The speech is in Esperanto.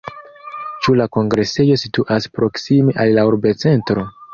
Ĉu la kongresejo situas proksime al la urbocentro?